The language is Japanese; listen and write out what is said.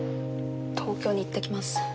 東京に行ってきます。